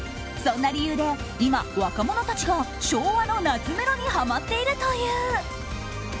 そんな理由で今、若者たちが昭和の懐メロにハマっているという。